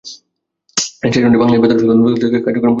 স্টেশনটি বাংলাদেশ বেতারের সদর দপ্তর থেকে কার্যক্রম পরিচালনা করে থাকে।